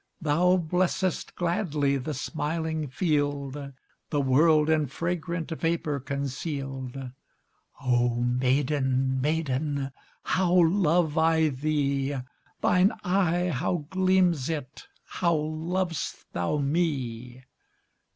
Thou blessest gladly The smiling field, The world in fragrant Vapour conceal'd. Oh maiden, maiden, How love I thee! Thine eye, how gleams it! How lov'st thou me!